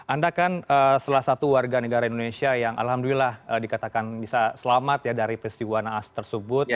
anda kan salah satu warga negara indonesia yang alhamdulillah dikatakan bisa selamat ya dari peristiwa naas tersebut